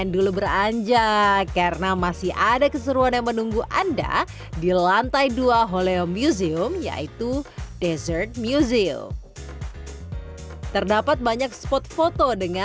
seperti disini ya salah satu spot fotonya